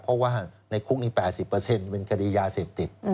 เพราะว่าในคุกนี้๘๐เป็นคดียาเสพติด